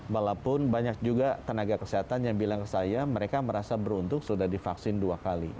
walaupun banyak juga tenaga kesehatan yang bilang ke saya mereka merasa beruntung sudah divaksin dua kali